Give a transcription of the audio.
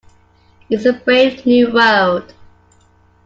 It's a brave new world.